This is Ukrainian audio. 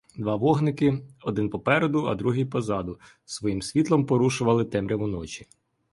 Два вогники — один попереду, а другий позаду — своїм світлом порушували темряву ночі.